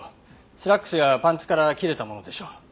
スラックスやパンツから切れたものでしょう。